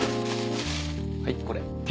はいこれ。